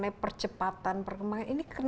mengenai percepatan perkembangan